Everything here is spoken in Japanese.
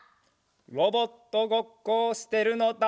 ロボットごっこをしてるのだ。